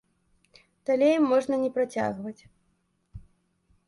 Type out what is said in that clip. Далей можна не працягваць.